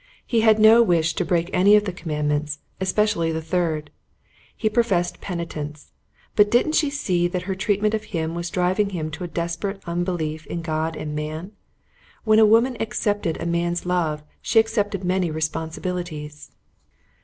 He had no wish to break any of the Commandments, especially the Third. He professed penitence. But didn't she see that her treatment of him was driving him into a desperate unbelief in God and man? When a woman accepted a man's love she accepted many responsibilities.